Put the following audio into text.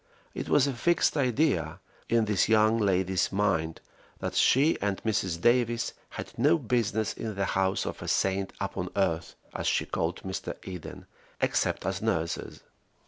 It was a fixed idea in this young lady's mind that she and Mrs. Davies had no business in the house of a saint upon earth, as she called Mr. Eden, except as nurses.